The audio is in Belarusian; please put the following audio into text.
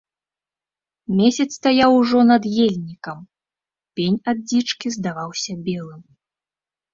Месяц стаяў ужо над ельнікам, пень ад дзічкі здаваўся белым.